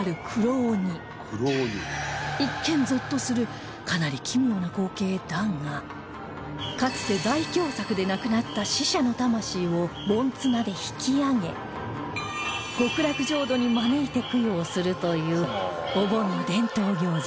一見ゾッとするかなり奇妙な光景だがかつて大凶作で亡くなった死者の魂を盆綱で引き上げ極楽浄土に招いて供養するというお盆の伝統行事